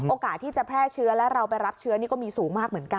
โอกาสที่จะแพร่เชื้อและเราไปรับเชื้อนี่ก็มีสูงมากเหมือนกัน